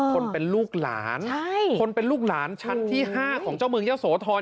คนเป็นลูกหลานคนเป็นลูกหลานชั้นที่๕ของเจ้าเมืองยะโสธร